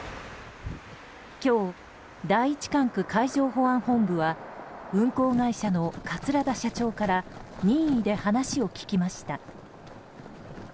今日、第１管区海上保安本部は運航会社の桂田社長から任意で話を聞きました。